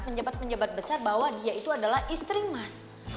penjabat penjabat besar bahwa dia itu adalah istri mas